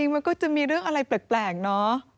มันก็จะมีเรื่องอะไรแปลกเนอะ